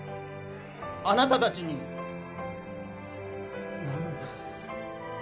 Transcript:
あなたたちに難破